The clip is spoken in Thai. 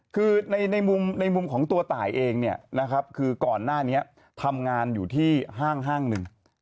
คือในมุมของตัวตายเองเนี่ยนะครับคือก่อนหน้านี้ทำงานอยู่ที่ห้างหนึ่ง